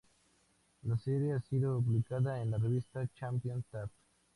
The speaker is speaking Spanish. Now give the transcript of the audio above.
La serie ha sido publicada en la revista "Champion Tap!